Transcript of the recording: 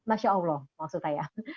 masya allah maksudnya ya